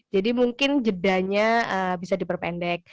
jadi mungkin jedanya bisa diperpendek